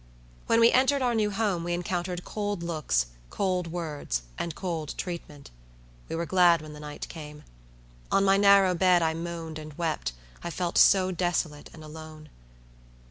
When we entered our new home we encountered cold looks, cold words, and cold treatment. We were glad when the night came. On my narrow bed I moaned and wept, I felt so desolate and alone.